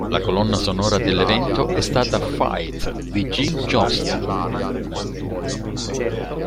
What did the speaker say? La colonna sonora dell'evento è stata "Fight" di Jim Johnston.